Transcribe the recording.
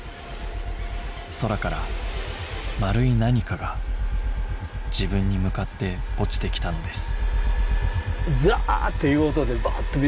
空から丸い何かが自分に向かって落ちてきたのです